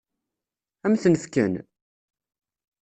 Ad m-ten-fken?